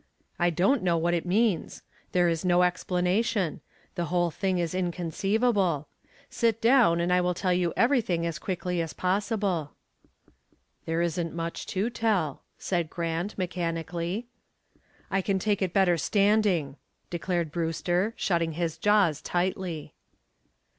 "I don't know what it means. There is no explanation. The whole thing is inconceivable. Sit down and I will tell you everything as quickly as possible." "There isn't much to tell," said Grant, mechanically. "I can take it better standing," declared Brewster, shutting his jaws tightly.